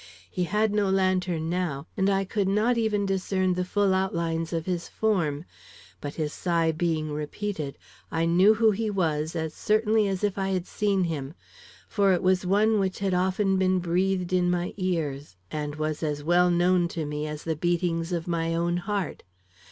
He had no lantern now, and I could not even discern the full outlines of his form, but his sigh being repeated, I knew who he was as certainly as if I had seen him, for it was one which had often been breathed in my ears, and was as well known to me as the beatings of my own heart.